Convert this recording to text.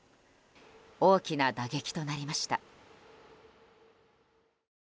大きな打撃となりました。